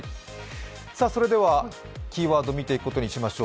それではキーワード、見ていくことにしましょう。